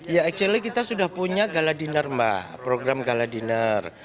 ya sebenarnya kita sudah punya galadiner mbak program galadiner